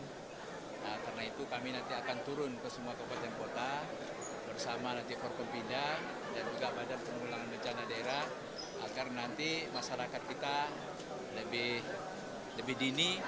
karena itu kami nanti akan turun ke semua kabupaten kota bersama nanti forkempindah dan juga badan pengulangan bencana daerah agar nanti masyarakat kita lebih dini